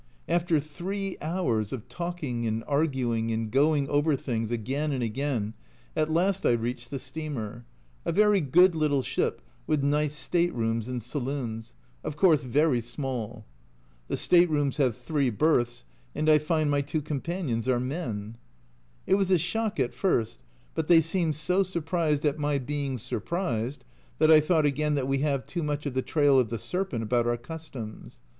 After three hours of talking and arguing and going over things again and again, at last I reached the steamer a very good little ship with nice state rooms and saloons ; of course very small. The state rooms have three berths, and I find my two companions are men. It was a shock at first, but they seemed so surprised at my being surprised, that I thought again that we have too much of the trail of the serpent about our customs.